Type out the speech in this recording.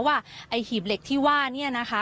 ว่าหีบเหล็กที่ว่านี่นะคะ